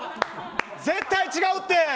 絶対違うって！